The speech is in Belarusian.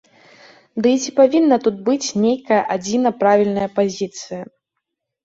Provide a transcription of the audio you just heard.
Ды і ці павінна тут быць нейкая адзіна правільная пазіцыя?